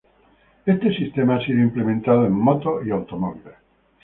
Este sistema ha sido implementado en motos y automóviles.